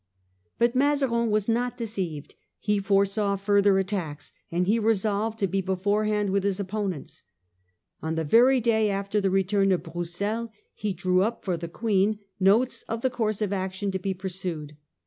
But Mazarin was not deceived. He foresaw further attacks; and he resolved to be beforehand with his Mazarin's opponents. On the very day after the return Btorln^royal °f Broussel he drew up for the Queen notes authority. 0 f the course of action to be pursued.